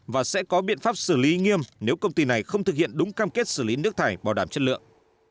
và sẽ có biện pháp xử lý nghiêm nếu công ty này không thực hiện đúng cam kết xử lý nước thải bảo đảm chất lượng